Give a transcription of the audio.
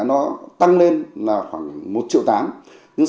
nó tăng lên là khoảng một triệu tám nhưng